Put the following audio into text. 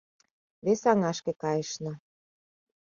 Вес аҥашке кайышна